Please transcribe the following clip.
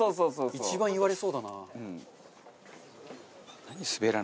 一番言われそうだな。